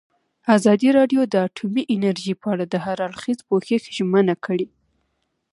ازادي راډیو د اټومي انرژي په اړه د هر اړخیز پوښښ ژمنه کړې.